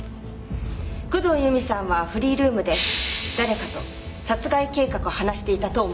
工藤由美さんはフリールームで誰かと殺害計画を話していたと思われます。